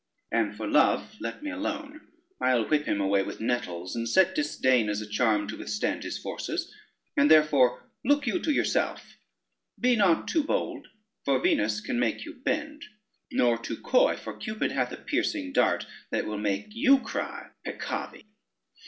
And for Love, let me alone; I'll whip him away with nettles, and set disdain as a charm to withstand his forces: and therefore look you to yourself; be not too bold, for Venus can make you bend, nor too coy, for Cupid hath a piercing dart, that will make you cry Peccavi."